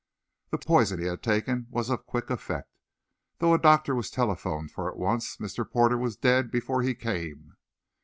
The poison he had taken was of quick effect. Though a doctor was telephoned for at once, Mr. Porter was dead before he came.